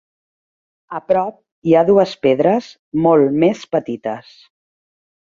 A prop hi ha dues pedres molt més petites.